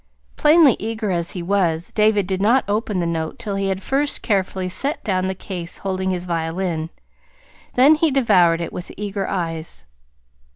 Plainly eager as he was, David did not open the note till he had first carefully set down the case holding his violin; then he devoured it with eager eyes.